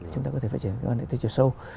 chúng ta có thể phát triển nó đến thế chiều sâu